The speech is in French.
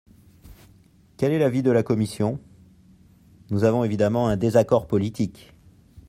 Quel est l’avis de la commission ? Nous avons évidemment un désaccord politique.